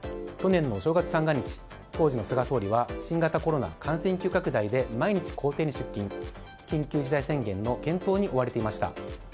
去年のお正月三が日当時の菅総理は新型コロナ感染急拡大で毎日公邸に出勤緊急事態宣言の検討に追われていました。